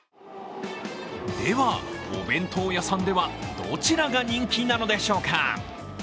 では、お弁当屋さんではどちらが人気なのでしょうか。